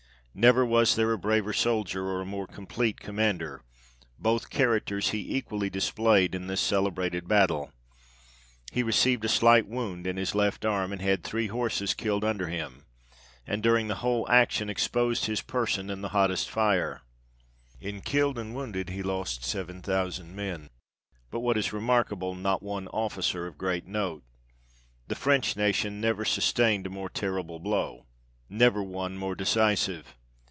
Never was there a braver soldier, or a more complete commander ; both characters he equally displayed in this celebrated battle : he received a slight wound in his left arm ; had three horses killed under him ; and during the RESULTS OF BATTLE OF ALENgON. 59 whole action, exposed his person in the hottest fire. In killed and wounded he lost seven thousand men, but what is remarkable, not one officer of great note. The French nation never sustained a more terrible blow never one more decisive.